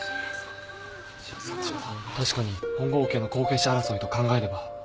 確かに本郷家の後継者争いと考えれば。